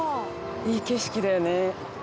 いい景色だよね。